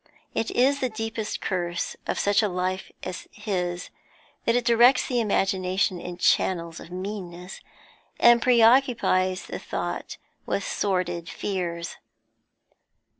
It is the deepest curse of such a life as his that it directs the imagination in channels of meanness, and preoccupies the thought with sordid fears.